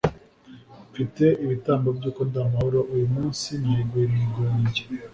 “mfite ibitambo by’uko ndi amahoro, uyu munsi nahiguye imihigo yanjye